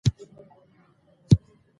ډيپلوماسي د خبرو اترو له لارې ستونزې حلوي.